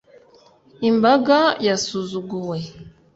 imbaga yasuzuguwe